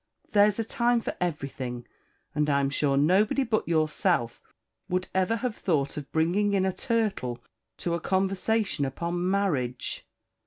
There's a time for everything; and I'm sure nobody but yourself would ever have thought of bringing in a turtle to a conversation upon marriage."